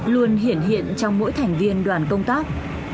luôn hiển hiện hiện trong mỗi thành viên đoàn công tác